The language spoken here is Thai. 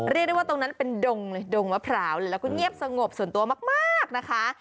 เรียกได้ว่าตรงนั้นเป็นดงเลยดงมะพร้าวแล้วก็เงียบสงบส่วนตัวมากนะคะ